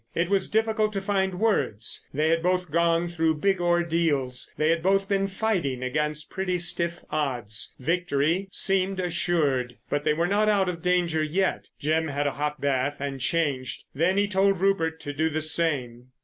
It was difficult to find words. They had both gone through big ordeals. They had both been fighting against pretty stiff odds. Victory seemed assured. But they were not out of danger yet. Jim had a hot bath and changed, then he told Rupert to do the same.